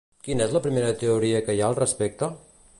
Quina és la primera teoria que hi ha al respecte?